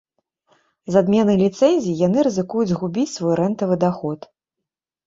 З адменай ліцэнзій яны рызыкуюць згубіць свой рэнтавы даход.